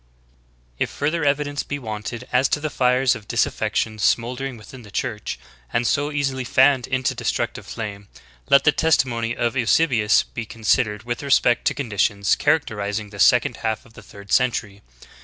"* 11. If further evidence be wanted as to the fires of dis affection smoldering within the Church, and so easily fanned into destructive flame, let the testimony of Eusebius be con sidered with respect to conditions characterizing the second half of the third century.